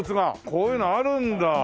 こういうのあるんだ。